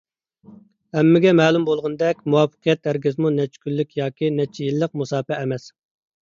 ھەممىگە مەلۇم بولغىنىدەك، مۇۋەپپەقىيەت ھەرگىزمۇ نەچچە كۈنلۈك ياكى نەچچە يىللىق مۇساپە ئەمەس.